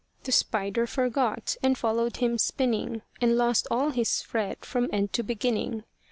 The spider forgot and followed him spinning, And lost all his thread from end to beginning.